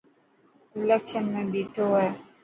اليڪشن ۾ بيٺو هي.